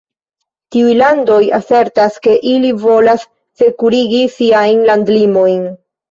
Tiuj landoj asertas ke ili volas sekurigi siajn landlimojn.